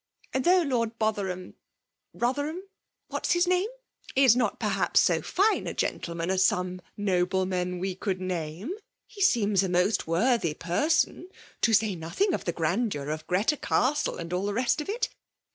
And though Lord Botherum — ^Rotherham — (what is his name ?) 120 F£tfALU DOMINATION. is not perhaps so fine a gentleman as some noblemen we could name« he seems a most woTtliy person ; to say nothing of the grandeur of Greta Castle, and all the rest of it.